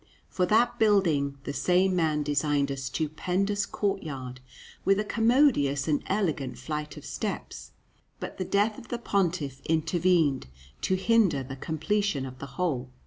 For that building the same man designed a stupendous courtyard, with a commodious and elegant flight of steps, but the death of the Pontiff intervened to hinder the completion of the whole.